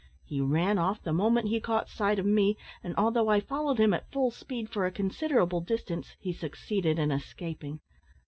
He ran off the moment he caught sight of me, and although I followed him at full speed for a considerable distance, he succeeded in escaping.